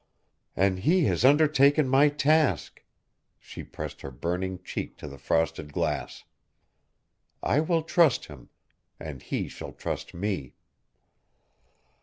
"And he has undertaken my task!" She pressed her burning cheek to the frosted glass. "I will trust him, and he shall trust me!"